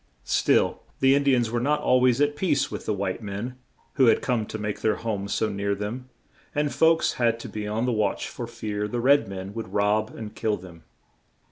Still, the In di ans were not al ways at peace with the white men, who had come to make their homes so near them, and folks had to be on the watch for fear the red men would rob and kill them.